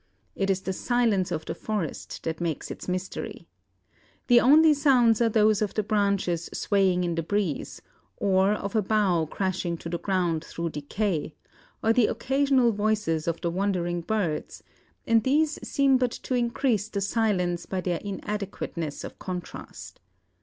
It is the silence of the forest that makes its mystery. The only sounds are those of the branches swaying in the breeze, or of a bough crashing to the ground through decay, or the occasional voices of the wandering birds; and these seem but to increase the silence by their inadequateness of contrast.